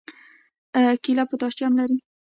کیله پوټاشیم لري